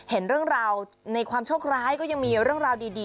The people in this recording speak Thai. เห็นเรื่องราวในความโชคร้ายก็ยังมีเรื่องราวดี